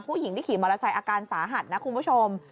ผู้หญิงที่ขี่มอเตอร์ไซค์อาการสาหัสนะคุณผู้ชม